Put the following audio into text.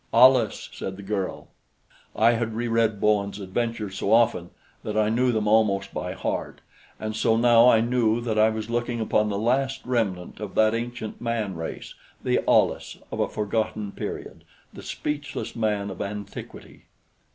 "Alus!" said the girl. I had reread Bowen's adventures so often that I knew them almost by heart, and so now I knew that I was looking upon the last remnant of that ancient man race the Alus of a forgotten period the speechless man of antiquity.